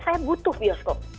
saya butuh bioskop